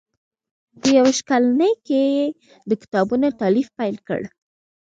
په یو ویشت کلنۍ کې یې د کتابونو تالیف پیل کړ.